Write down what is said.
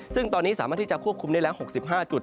ซึ่งตอนนี้สามารถที่จะควบคุมได้แล้ว๖๕จุด